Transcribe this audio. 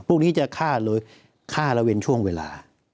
พวกนี้จะฆ่าโดยฆ่าระเวนช่วงเวลา